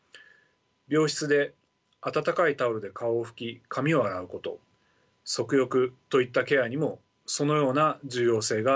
病室で温かいタオルで顔を拭き髪を洗うこと足浴といったケアにもそのような重要性があるでしょう。